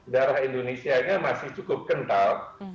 darah indonesia nya masih cukup kental